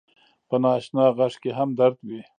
په ناآشنا غږ کې هم درد وي